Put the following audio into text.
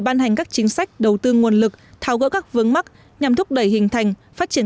ban hành các chính sách đầu tư nguồn lực tháo gỡ các vướng mắc nhằm thúc đẩy hình thành phát triển